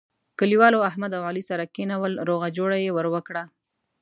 کلیوالو احمد او علي سره کېنول روغه جوړه یې ور وکړه.